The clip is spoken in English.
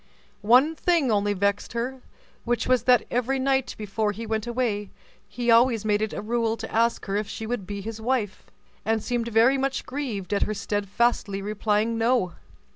One thing only vexed her, which was that every night before he went away, he always made it a rule to ask her if she would be his wife, and seemed very much grieved at her steadfastly replying "No."